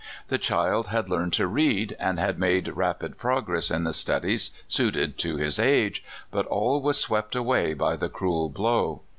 The child had learned to read, and had made rapid progress in the studies suited to his age, but all was swept away by the cruel blow.